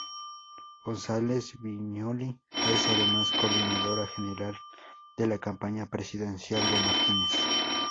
González Viñoly es además coordinadora general de la campaña presidencial de Martínez.